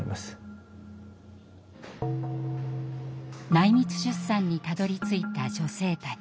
内密出産にたどりついた女性たち。